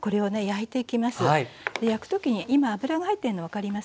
焼くときに今油が入ってるの分かりますか？